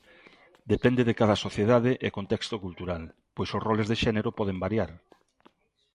Depende de cada sociedade e contexto cultural, pois os roles de xénero poden variar.